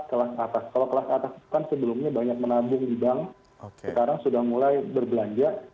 kelas atas kalau kelas atas kan sebelumnya banyak menabung di bank sekarang sudah mulai berbelanja